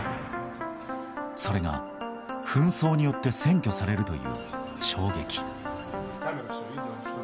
それが紛争によって占拠されるという衝撃。